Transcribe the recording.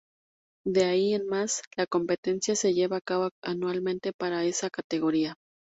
De ahí en más, la competencia se lleva a cabo anualmente para esa categoría.